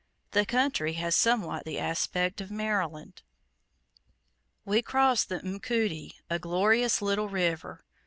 The country has somewhat the aspect of Maryland. We cross the Mkuti, a glorious little river!